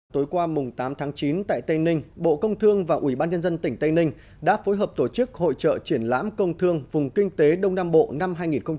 tối qua mùng tám tháng chín tại tây ninh bộ công thương và ủy ban nhân dân tỉnh tây ninh đã phối hợp tổ chức hội trợ triển lãm công thương vùng kinh tế đông nam bộ năm hai nghìn một mươi chín